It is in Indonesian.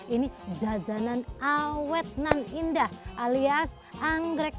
ini jajanan awetnan indah alias anggrek